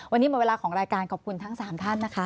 วันนี้หมดเวลาของรายการขอบคุณทั้ง๓ท่านนะคะ